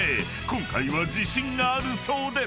［今回は自信があるそうで］